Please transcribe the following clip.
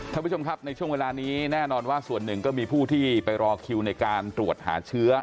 ท่านผู้ชมครับในช่วงเวลานี้แน่นอนว่าส่วนหนึ่งก็มีผู้ที่ไปรอคิวในการตรวจหาเชื้อ